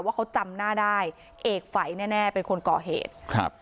ว่าเขาจำหน้าได้เอกฝัยแน่แน่เป็นคนก่อเหตุครับ